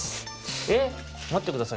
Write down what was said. えっ⁉まってください。